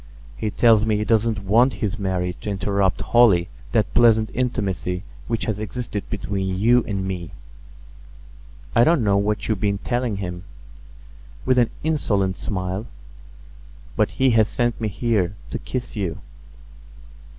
He tells me he doesn't want his marriage to interrupt wholly that pleasant intimacy which has existed between you and me. I don't know what you've been telling him," with an insolent smile, "but he has sent me here to kiss you."